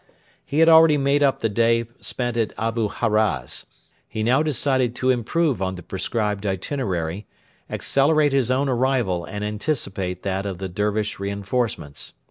He had already made up the day spent at Abu Haraz. He now decided to improve on the prescribed itinerary, accelerate his own arrival and anticipate that of the Dervish reinforcements.